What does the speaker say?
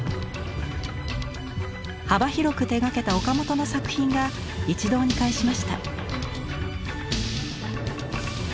幅広く手がけた岡本の作品が一堂に会しました。